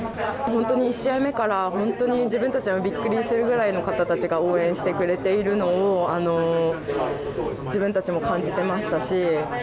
本当に１試合目から自分たちがびっくりするぐらいの方々が応援してれているのを自分たちも感じてましたし